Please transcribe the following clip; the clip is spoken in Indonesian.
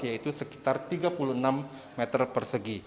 yaitu sekitar tiga puluh enam meter persegi